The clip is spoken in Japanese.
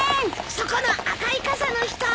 そこの赤い傘の人！